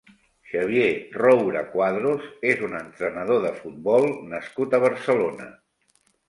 Xavier Roura Cuadros és un entrenador de futbol nascut a Barcelona.